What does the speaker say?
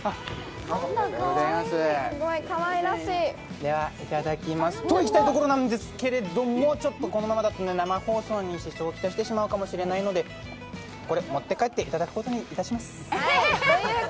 では、いただきますといきたいところなんですけれども、このままだと生放送に支障をきたしてしまうかもしれないのでこれ、持って帰っていただくことにいたします。